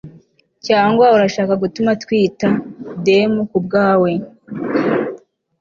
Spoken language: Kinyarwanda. cyangwa urashaka gutuma twita dem kubwawe